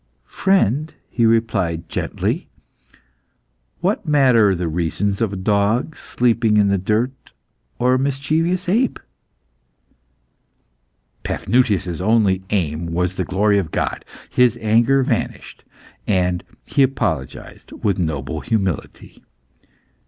"Friend," he replied, gently, "what matter the reasons of a dog sleeping in the dirt or a mischievous ape?" Paphnutius' only aim was the glory of God. His anger vanished, and he apologised with noble humility.